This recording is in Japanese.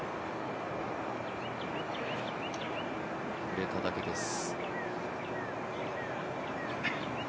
触れただけです。